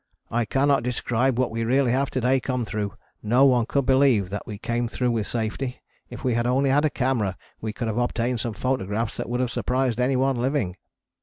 I cannot describe what we really have to day come through, no one could believe that we came through with safety, if we had only had a camera we could have obtained some photographs that would have surprised anyone living.